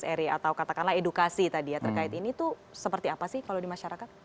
jadi kalau kita mulai dari area atau katakanlah edukasi tadi ya terkait ini tuh seperti apa sih kalau di masyarakat